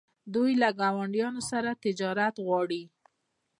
دوی له ګاونډیانو سره تجارت غواړي.